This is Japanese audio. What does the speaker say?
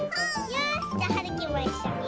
よしじゃあはるきもいっしょに。